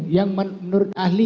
yang menurut ahli